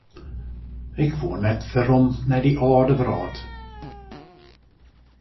Ik woe net werom nei dy âlde wrâld.